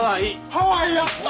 ハワイやった！